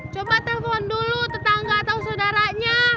coba telepon dulu tetangga atau saudaranya